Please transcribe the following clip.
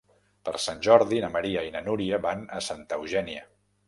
Per Sant Jordi na Maria i na Núria van a Santa Eugènia.